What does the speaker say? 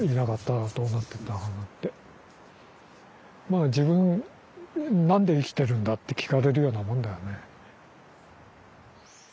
まあ自分何で生きてるんだって聞かれるようなもんだよね。